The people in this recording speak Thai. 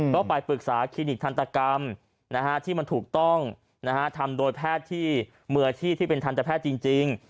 ก็ไปปรึกษาคลินิกทันตกรรมที่มันถูกต้องทำโดยแพทย์ที่มืออาชีพที่เป็นทันตแพทย์จริง